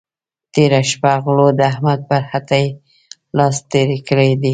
تېره شه غلو د احمد پر هټۍ لاس تېر کړی دی.